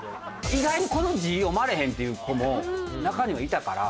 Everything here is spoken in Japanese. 意外にこの字読まれへんっていう子も中にはいたから。